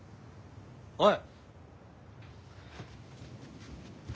・おい。